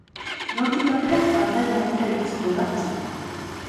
Gaurtik aurrera pantaila handira iritsiko da musika.